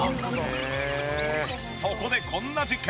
そこでこんな実験。